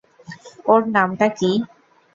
ওর নামটা কী?